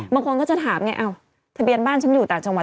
บางคนก็จะถามไงอ้าวทะเบียนบ้านฉันอยู่ต่างจังหวัด